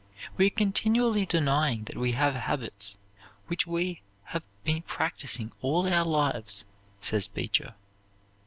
"We are continually denying that we have habits which we have been practising all our lives," says Beecher.